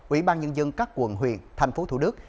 ủy ban nhân dân các quận huyện thành phố thủ đức